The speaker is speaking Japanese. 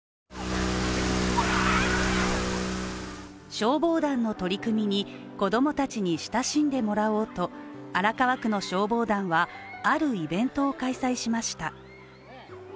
消防団の取り組みに子供たちに親しんでもらおうと、荒川区の消防団はあるイベントを開催しました。